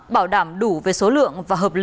bảo đảm đủ về số lượng và hợp lý về cơ cấu